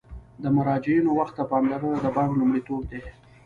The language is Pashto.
د مراجعینو وخت ته پاملرنه د بانک لومړیتوب دی.